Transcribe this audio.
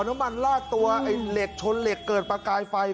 น้ำมันลาดตัวไอ้เหล็กชนเหล็กเกิดประกายไฟ